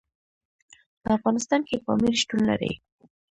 په افغانستان کې پامیر شتون لري.